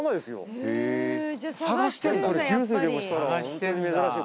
探してんだ